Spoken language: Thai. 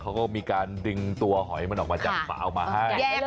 เขาก็มีการดึงตัวหอยมันออกมาจากฝามาให้